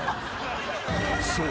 ［そう。